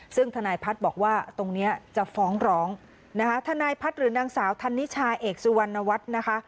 ซึ่งทนายพัฒน์บอกว่าตรงนี้จะฟ้องร้องนะคะทนายพัฒน์หรือนางสาวธันนิชาเอกสุวรรณวัฒน์นะคะ